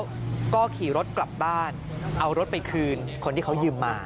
แล้วก็ขี่รถกลับบ้านเอารถไปคืนคนที่เขายืมมา